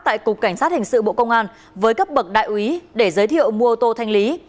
tại cục cảnh sát hình sự bộ công an với cấp bậc đại úy để giới thiệu mua ô tô thanh lý